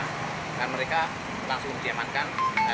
dan mereka langsung diamankan